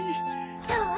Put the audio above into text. どう？